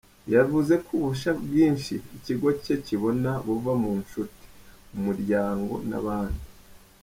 Yavuze ko ubufasha bwinshi ikigo cye kibona buva mu nshuti, umuryango n’abandi.